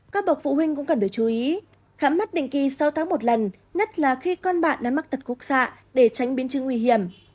các bậc phụ huynh cũng cần được chú ý khám mắt định kỳ sáu tháng một lần nhất là khi con bạn đang mắc tật khúc xạ để tránh biến chứng nguy hiểm